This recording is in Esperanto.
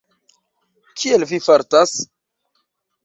Kiel Vi fartas?